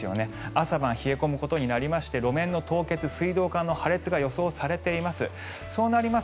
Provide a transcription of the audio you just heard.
朝晩冷え込むことになりまして路面の凍結、水道管の破裂が予想されています。